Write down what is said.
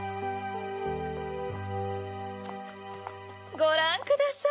ごらんください！